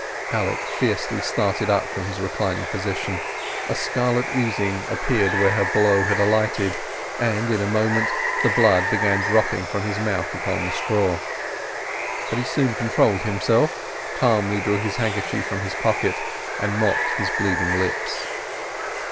Alec fiercely started up from his reclining position. A scarlet oozing appeared where her blow had alighted, and in a moment the blood began dropping from his mouth upon the straw. But he soon controlled himself, calmly drew his handkerchief from his pocket, and mopped his bleeding lips.